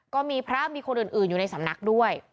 ก็มีพระมีคนอื่นอยู่ในสำนักด้วย